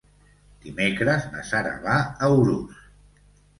Dimecres na Sara va a Urús.